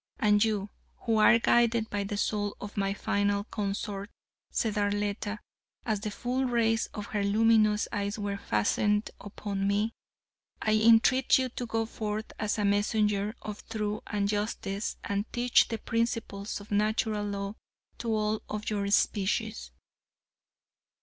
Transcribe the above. "And you, who are guided by the soul of my final consort," said Arletta, as the full rays of her luminous eyes were fastened upon me, "I entreat you to go forth as a messenger of truth and justice and teach the principles of Natural Law to all of your species."